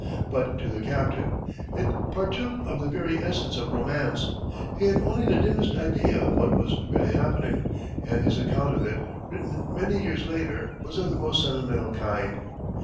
But to the captive, it partook of the very essence of romance; he had only the dimmest idea of what was really happening, and his account of it, written many years later, was of the most sentimental kind.